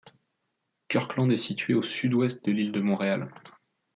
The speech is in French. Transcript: Kirkland est située au sud-ouest de l'île de Montréal.